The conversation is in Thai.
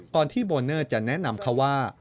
ที่โบเนอร์จะแนะนำเขาว่า